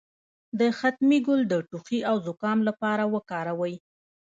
د ختمي ګل د ټوخي او زکام لپاره وکاروئ